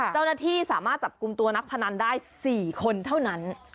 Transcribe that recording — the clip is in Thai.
เจ้าหน้าที่สามารถจับกลุ่มตัวนักพนันได้๔คนเท่านั้น